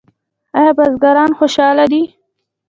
آیا بزګران خوشحاله دي؟